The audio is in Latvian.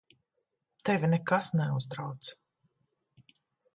Tevi nekas neuztrauc.